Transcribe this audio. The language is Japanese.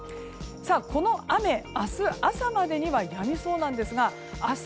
この雨、明日朝までにはやみそうなんですが明日